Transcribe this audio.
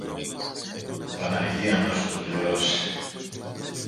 Η Παναγία να σου το πληρώσει!